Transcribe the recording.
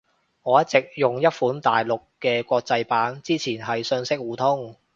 我一直用一款大陸嘅國際版。之前係信息互通